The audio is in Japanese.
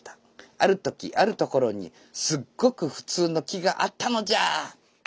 「あるときあるところにすっごくふつうの木があったのじゃー！！」